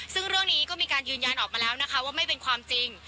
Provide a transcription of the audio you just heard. ซึ่งเรื่องนี้ก็มีการยืนยันออกมาแล้วนะคะว่าไม่เป็นความจริง